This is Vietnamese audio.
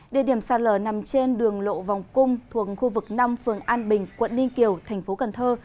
địa điểm sạt lở nằm trên đường lộ vòng cung thuộc khu vực năm phường an bình quận ninh kiều thành phố cần thơ